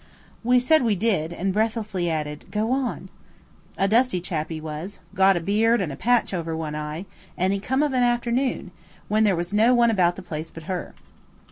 We said we did, and breathlessly added, "Go on!" "A dusty chap he was; got a beard and a patch over one eye, and he come of a afternoon when there was no one about the place but her.